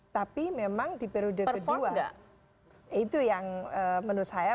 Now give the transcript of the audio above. tapi memang di periode kedua itu yang menurut saya